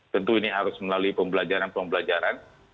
tentu ini harus melalui pembelajaran pembelajaran